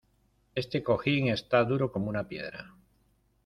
Este cojín está duro como una piedra.